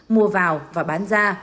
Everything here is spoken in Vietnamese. mua vào và bán ra